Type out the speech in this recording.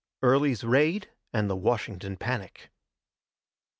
EARLY'S RAID AND THE WASHINGTON PANIC.